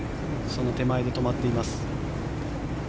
その手前で止まっています。